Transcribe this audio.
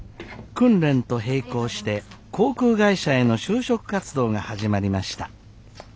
訓練と並行して航空会社への就職活動が始まりました。